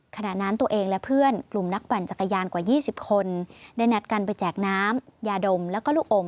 ขณะนั้นตัวเองและเพื่อนกลุ่มนักปั่นจักรยานกว่า๒๐คนได้นัดกันไปแจกน้ำยาดมแล้วก็ลูกอม